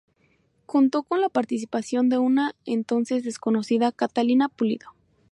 Contó con la participación de una entonces desconocida Catalina Pulido.